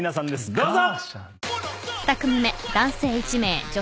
どうぞ！